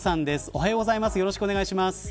おはようございます。